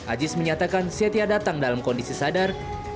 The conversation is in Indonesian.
ajis menyatakan setia datang dalam kondisi sadar